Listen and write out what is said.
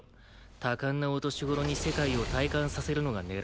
多感なお年頃に世界を体感させるのが狙いですよ。